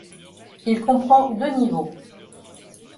Il comprend deux niveaux.